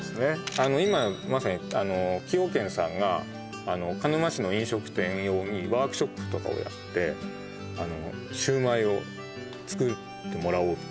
あの今まさにあの崎陽軒さんがあの鹿沼市の飲食店用にワークショップとかをやってあのシウマイを作ってもらおうっていう